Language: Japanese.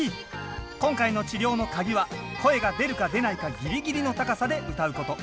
今回の治療のカギは声が出るか出ないかギリギリの高さで歌うこと。